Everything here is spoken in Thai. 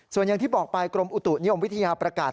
ส่วนอย่างที่บอกไปกรมอุตุนิยมวิทยาประกาศ